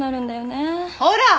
ほら！